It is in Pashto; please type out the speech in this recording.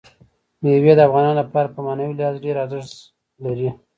مېوې د افغانانو لپاره په معنوي لحاظ ډېر زیات ارزښت لري.